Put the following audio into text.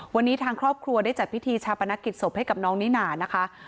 วันนี้ทางครอบครัวได้จัดพิธีชาปนกิจศพให้กับน้องนิน่านะคะ